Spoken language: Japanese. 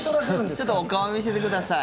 ちょっとお顔見せてください。